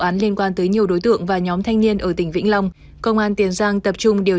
án liên quan tới nhiều đối tượng và nhóm thanh niên ở tỉnh vĩnh long công an tiền giang tập trung điều